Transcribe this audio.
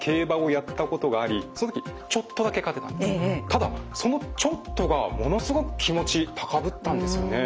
ただその「ちょっと」がものすごく気持ち高ぶったんですよね。